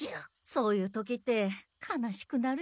そういう時って悲しくなるよね。